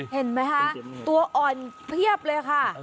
เห็นไหมคะตัวอ่อนเพียบเลยค่ะ